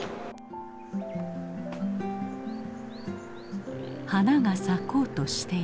花が咲こうとしている。